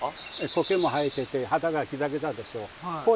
コケも生えてて肌がギザギザでしょ。